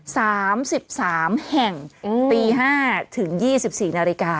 สามสิบสามแห่งอืมตีห้าถึงยี่สิบสี่นาฬิกา